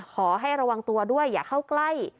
ขอให้ระวังตัวด้วยอย่าเข้าใกล้